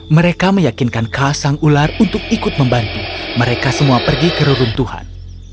mereka meyakinkan khas sang ular untuk ikut membantu mereka semua pergi ke reruntuhan